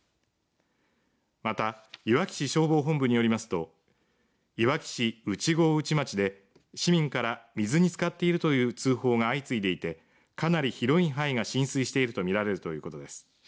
またいわき市消防本部によりますといわき市内郷内町で市民から水につかっているという通報が相次いでいてかなり広い範囲が浸水していると見られるということです。